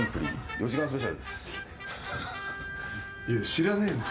４時間スペシャル？